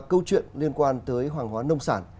câu chuyện liên quan tới hàng hóa nông sản